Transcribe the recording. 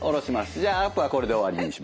じゃあアップはこれで終わりにします。